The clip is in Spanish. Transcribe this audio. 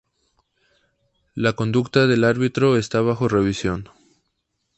La conducta del árbitro está bajo revisión.